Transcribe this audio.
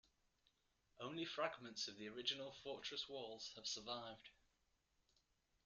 Only fragments of the original fortress walls have survived.